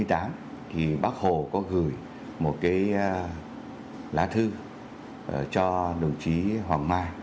thì bác hồ có gửi một cái lá thư cho đồng chí hoàng mai